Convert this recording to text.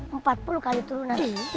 empat puluh kali turunan